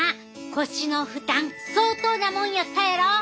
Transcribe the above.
腰の負担相当なもんやったやろ。